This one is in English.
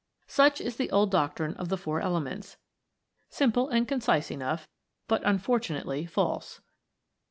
Such is the old doctrine of the Four Elements, simple and concise enough, but unfortunately false.